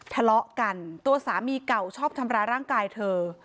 ทะเลาะกันตัวสามีเก่าชอบทำร้ายร่างกายเธอ